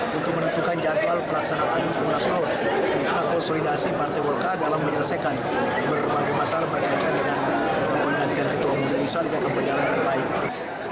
berbagai masalah berkaitan dengan penggantian ketua umum dari soal dpr kepenjalanan baik